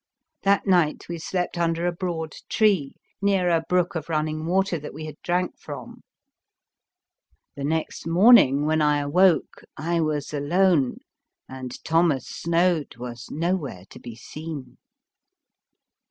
That night we slept under a broad tree, near a brook of running water that we had drank from. The next 19 The Fearsome Island morning when I awoke I was alone, and Thomas Snoad was nowhere to be seen.